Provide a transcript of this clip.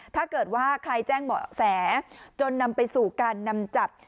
ถ้าเกิดว่าใครแจ้งเบาะแสจนนำไปสู่การนำจับ